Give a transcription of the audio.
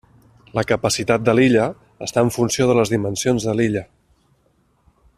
La capacitat de l'illa està en funció de les dimensions de l'illa.